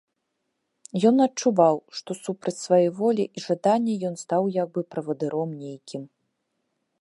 Ён адчуваў, што супроць свае волі і жадання ён стаў як бы правадыром нейкім.